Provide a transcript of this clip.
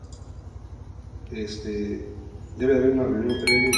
Sydney nació dos años más tarde, en Beverly Hills.